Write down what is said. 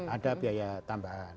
ada biaya tambahan